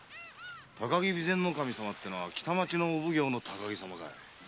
“高木備前守様”ってのは北町のお奉行の高木様かい？